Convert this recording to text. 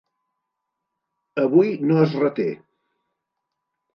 Avui no es reté.